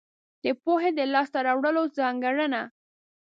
د پوهې د لاس ته راوړلو ځانګړنه.